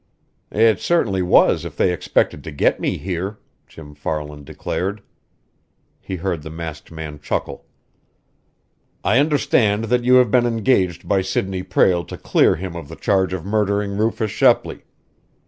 "It certainly was if they expected to get me here!" Jim Farland declared. He heard the masked man chuckle. "I understand that you have been engaged by Sidney Prale to clear him of the charge of murdering Rufus Shepley."